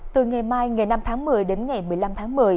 từ ngày mai ngày năm tháng một mươi đến ngày một mươi năm tháng một mươi